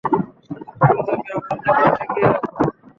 সূর্যকে আমার জন্যে ঠেকিয়ে রাখুন।